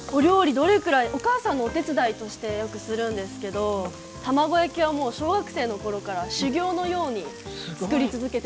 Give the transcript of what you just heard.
お母さんのお手伝いとしてよくするんですけど卵焼きはもう小学生の頃から修業のように作り続けてます。